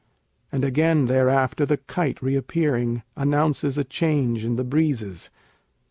And again thereafter the kite reappearing announces a change in the breezes.